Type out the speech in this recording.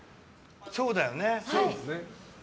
そうだよね。